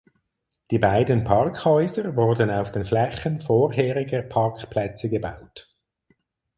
Die beiden Parkhäuser wurden auf den Flächen vorheriger Parkplätze gebaut.